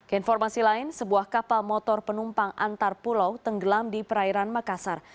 keinformasi lain sebuah kapal motor penumpang antar pulau tenggelam di perairan makassar